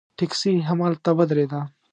ټیکسي همدلته ودرېده.